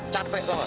capek tau nggak